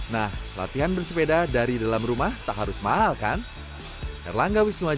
nah latihan bersepeda dari dalam rumah tak harus mahal kan